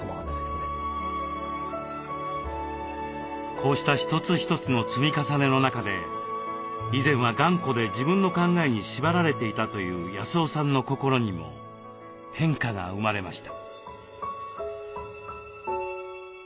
こうした一つ一つの積み重ねの中で以前は頑固で自分の考えに縛られていたという康雄さんの心にも変化が生まれました。